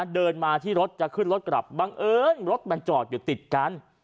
เดินมาที่รถจะขึ้นรถกลับบังเอิญรถมันจอดอยู่ติดกัน